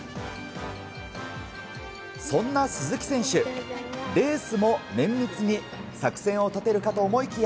そんな鈴木選手、レースも綿密に作戦を立てるかと思いきや。